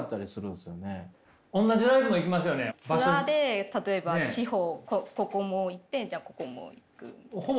ツアーで例えば地方ここも行ってじゃあここも行くみたいな。